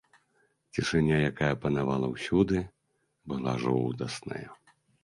Цішыня, якая панавала ўсюды, была жудасная.